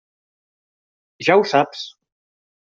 Ja ho saps.